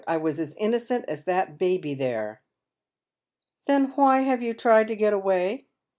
I was as innocent as that baby there." " Then why have you tried to cret away